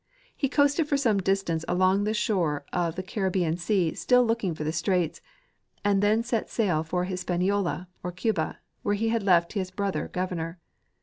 He coasted for some distance along the shore of the Caribbean sea still looking for the straits, and then set sail for Hispaniola (or Cuba), where he had left his brother governor.